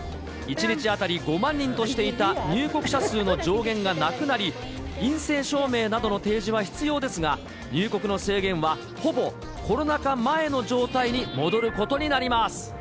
１日当たり５万人としていた入国者数の上限がなくなり、陰性証明などの提示は必要ですが、入国の制限はほぼコロナ禍前の状態に戻ることになります。